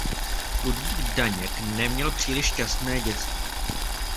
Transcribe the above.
Ludvík Daněk neměl příliš šťastné dětství.